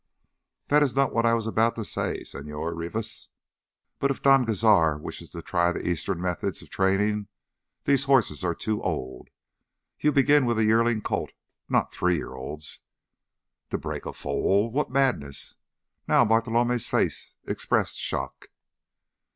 "That is not what I was about to say, Señor Rivas. But if Don Cazar wishes to try the eastern methods of training, these horses are too old. You begin with a yearling colt, not three year olds." "To break a foal! What madness!" Now Bartolomé's face expressed shock.